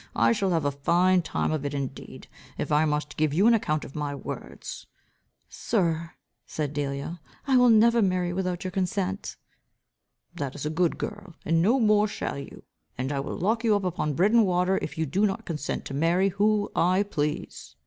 I shall have a fine time of it indeed, if I must give you an account of my words." "Sir," said Delia, "I will never marry without your consent." "That is a good girl, no more you shall. And I will lock you up upon bread and water, if you do not consent to marry who I please."